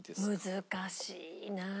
難しいな。